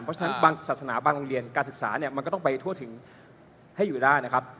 เพราะฉะนั้นบางศาสนาบางโรงเรียนการศึกษาเนี่ยมันก็ต้องไปทั่วถึงให้อยู่ได้นะครับ